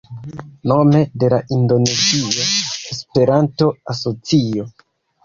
Nome de la Indonezia Esperanto-Asocio